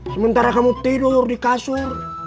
sementara kamu tidur di kasur